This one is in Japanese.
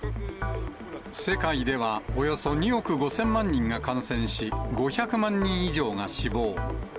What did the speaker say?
世界ではおよそ２億５０００万人が感染し、５００万人以上が死亡。